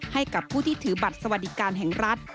ให้กับผู้ที่ถือบัตรสวัสดิการแห่งรัฐ